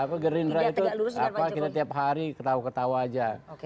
apa gerindra itu kita tiap hari ketawa ketawa saja